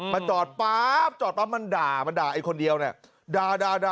จอดป๊าบจอดปั๊บมันด่ามันด่าไอ้คนเดียวเนี่ยด่า